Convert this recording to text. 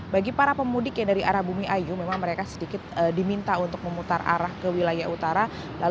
bagi para pemudik yang dari arah bumi ayu memang mereka sedikit diminta untuk memutar arah ke wilayah utara